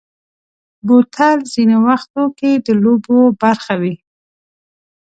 بوتل ځینې وختو کې د لوبو برخه وي.